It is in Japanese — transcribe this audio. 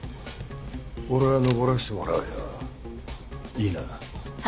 俺は残らせてもらうよいいな？